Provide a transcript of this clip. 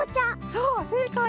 そうせいかい！